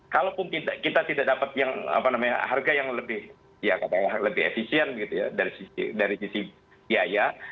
kalaupun kita tidak dapat yang harga yang lebih efisien gitu ya dari sisi biaya